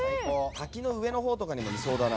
滝の上のほうとかにもいそうだな。